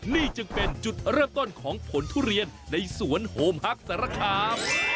นี่จึงเป็นจุดเริ่มต้นของผลทุเรียนในสวนโฮมฮักสารคาม